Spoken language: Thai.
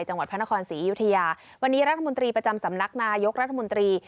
จังหวัดพระนครศรีอยุธยาวันนี้รัฐมนตรีประจำสำนักนายกรัฐมนตรี